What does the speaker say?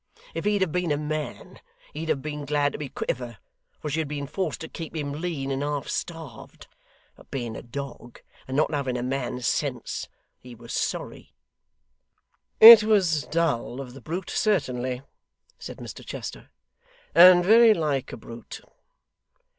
If he'd have been a man, he'd have been glad to be quit of her, for she had been forced to keep him lean and half starved; but being a dog, and not having a man's sense, he was sorry.' 'It was dull of the brute, certainly,' said Mr Chester, 'and very like a brute.